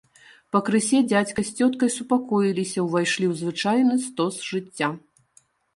Пакрысе дзядзька з цёткай супакоіліся, увайшлі ў звычайны стос жыцця.